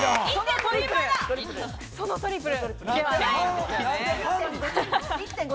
そのトリプル。